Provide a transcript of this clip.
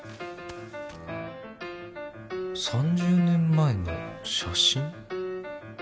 ３０年前の写真。